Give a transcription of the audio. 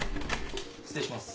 失礼します。